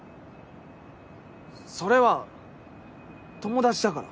それは友達だから。